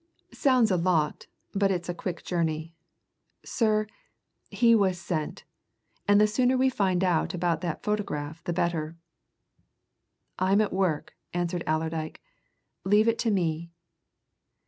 Sounds a lot but it's a quick journey. Sir he was sent! And the sooner we find out about that photograph the better." "I'm at work," answered Allerdyke. "Leave it to me."